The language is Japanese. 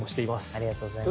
ありがとうございます。